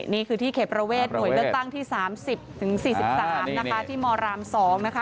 นี่คือที่เขตประเวทหน่วยเลือกตั้งที่๓๐๔๓นะคะที่มราม๒นะคะ